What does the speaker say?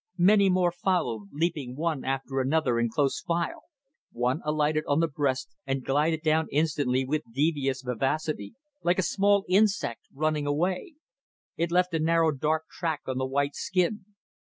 Many more followed, leaping one after another in close file. One alighted on the breast and glided down instantly with devious vivacity, like a small insect running away; it left a narrow dark track on the white skin.